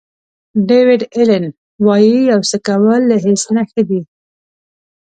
ډیویډ الین وایي یو څه کول له هیڅ نه ښه دي.